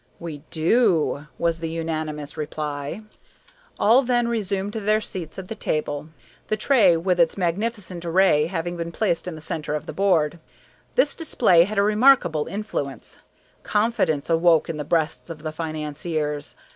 "We do," was the unanimous reply. All then resumed their seats at the table, the tray with its magnificent array having been placed in the centre of the board. This display had a remarkable influence. Confidence awoke in the breasts of the financiers.